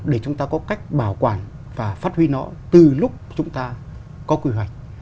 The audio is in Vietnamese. để chúng ta có cách bảo quản và phát huy nó từ lúc chúng ta có quy hoạch